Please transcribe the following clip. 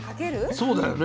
そうだよね。